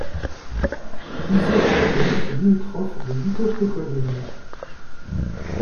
Izaut-de-l'Hôtel est limitrophe de huit autres communes.